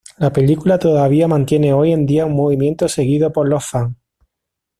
La película todavía mantiene hoy en día un movimiento seguido por los fans.